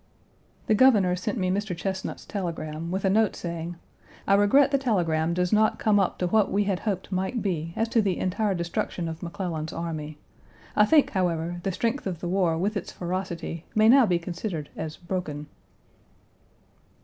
The Governor sent me Mr. Chesnut's telegram with a note saying, "I regret the telegram does not come up to what we had hoped might be as to the entire destruction of McClellan's army. I think, however, the strength of the war with its ferocity may now be considered as broken."